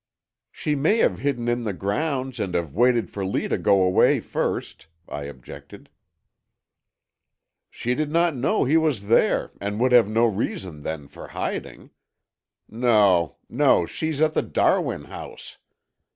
"She may have hidden in the grounds and have waited for Lee to go away first," I objected. "She did not know he was there and would have no reason then for hiding. No, no, she's at the Darwin house.